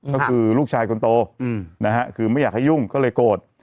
ก็คือลูกชายคนโตนะฮะคือไม่อยากให้ยุ่งก็เลยโกรธ